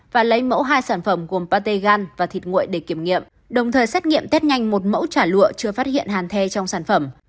và lấy mẫu hai sản phẩm gồm pate gan và thịt nguội để kiểm nghiệm đồng thời xét nghiệm tết nhanh một mẫu chả lụa chưa phát hiện hàn thê trong sản phẩm